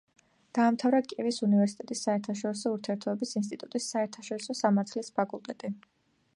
დაამთავრა კიევის უნივერსიტეტის საერთაშორისო ურთიერთობების ინსტიტუტის საერთაშორისო სამართლის ფაკულტეტი.